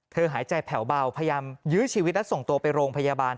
หายใจแผ่วเบาพยายามยื้อชีวิตและส่งตัวไปโรงพยาบาล